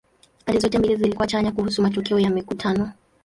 Pande zote mbili zilikuwa chanya kuhusu matokeo ya mikutano.